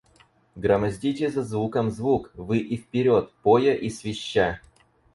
Громоздите за звуком звук вы и вперед, поя и свища.